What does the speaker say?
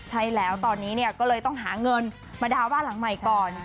ใช่แล้วตอนนี้เนี่ยก็เลยต้องหาเงินมาดาวน์บ้านหลังใหม่ก่อน